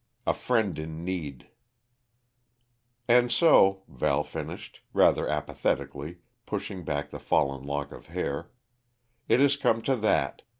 A FRIEND IN NEED "And so," Val finished, rather apathetically, pushing back the fallen lock of hair, "it has come to that.